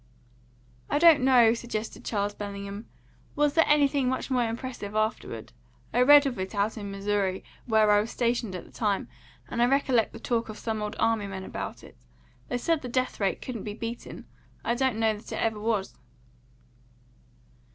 "I don't know," suggested Charles Bellingham. "Was there anything much more impressive afterward? I read of it out in Missouri, where I was stationed at the time, and I recollect the talk of some old army men about it. They said that death rate couldn't be beaten. I don't know that it ever was."